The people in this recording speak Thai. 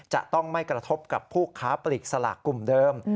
จะต้องไม่กระทบกับผู้ค้าปลีกสลากกลุ่มเดิม